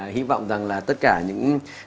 hy vọng rằng là tất cả những